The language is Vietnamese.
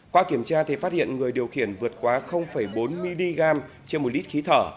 qua kiểm tra thì phát hiện người điều khiển vượt quá bốn mg trên một lít khí thở